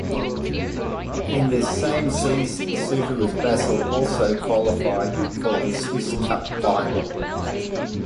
In this same season Suter with Basel also qualified for the Swiss Cup final.